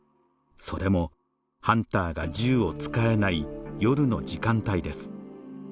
それもハンターが銃を使えない夜の時間帯です。